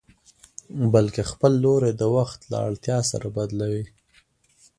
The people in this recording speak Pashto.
بلکې خپل لوری د وخت له اړتيا سره بدلوي.